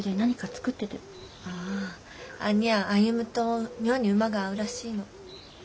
ああ兄やん歩と妙に馬が合うらしいの。